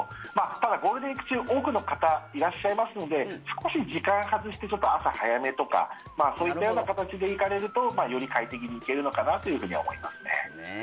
ただ、ゴールデンウィーク中多くの方いらっしゃいますので少し時間外して、朝早めとかそういったような形で行かれるとより快適に行けるのかなというふうに思いますね。